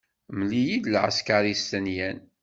Mel-iyi lɛesker yestenyan.